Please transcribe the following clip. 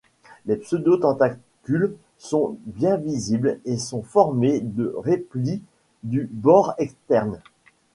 Les pseudo-tentacules sont bien visibles et sont formées de replis du bord externe.